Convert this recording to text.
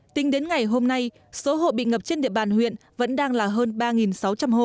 tính đến ngày hôm nay số hộ bị ngập trên địa bàn huyện vẫn đang là hơn ba sáu trăm linh hộ